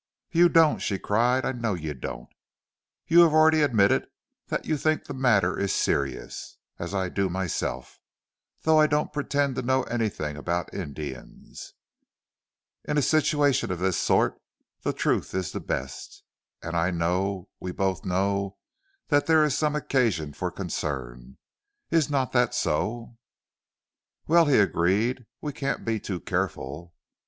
"You don't," she cried. "I know you don't. You have already admitted that you think the matter is serious, as I do myself, though I don't pretend to know anything about Indians. In a situation of this sort the truth is the best, and I know, we both know, that there is some occasion for concern. Is not that so?" "Well," he agreed, "we can't be too careful."